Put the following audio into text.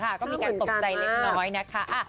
น่ะนะค่ะก็มีแก่ตกใจเล็กนะคะ